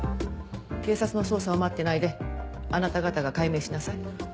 警察の捜査を待ってないであなた方が解明しなさい。